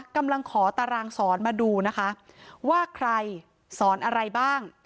กำลังขอตารางสอนมาดูนะคะว่าใครสอนอะไรบ้าง